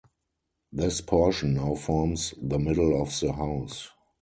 This portion now forms the middle of the house.